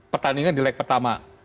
pertandingan di leg pertama